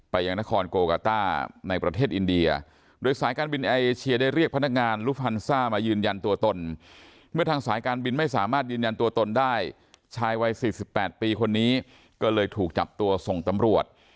พนักงานรุฟฮันซ่ามายืนยันตัวตนเมื่อทางสายการบินไม่สามารถยืนยันตัวตนได้ชายไว้๔๘ปีคนนี้ก็เลยถูกจับตัวส่งตำรวจ